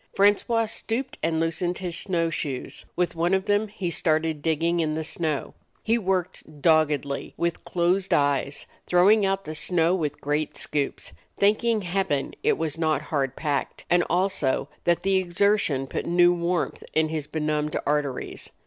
Francois stooped and loosened his snow shoes; with one of them he started dig ging in the snow. Tie worked doggedly, with closed eyes, throwing out the snow with great 43 DOG HEROES OF MANY LANDS scoops, thanking heaven it was not hard packed, and also that the exertion put new warmth in his benumbed arteries.